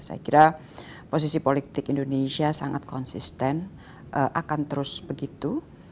saya kira posisi politik indonesia sangat konsisten akan terus begitu